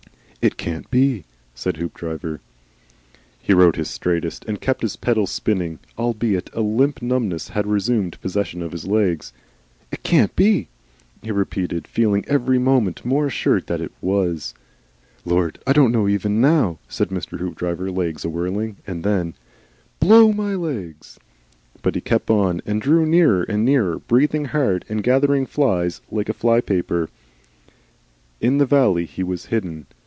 "It can't be," said Hoopdriver. He rode his straightest, and kept his pedals spinning, albeit a limp numbness had resumed possession of his legs. "It CAN'T be," he repeated, feeling every moment more assured that it WAS. "Lord! I don't know even now," said Mr. Hoopdriver (legs awhirling), and then, "Blow my legs!" But he kept on and drew nearer and nearer, breathing hard and gathering flies like a flypaper. In the valley he was hidden.